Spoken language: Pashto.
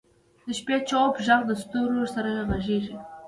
د شپې چوپ ږغ د ستورو سره غږېږي.